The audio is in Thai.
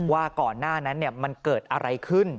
ว่าก่อนหน้านั้นมันเกิดอะไรขึ้น